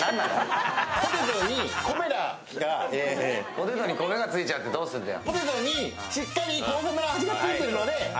ポテトに米がついちゃってどうするんだよ。